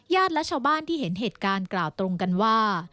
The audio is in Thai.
และชาวบ้านที่เห็นเหตุการณ์กล่าวตรงกันว่า